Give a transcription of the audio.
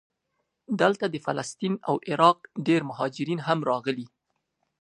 دلته د فلسطین او عراق ډېر مهاجرین هم راغلي.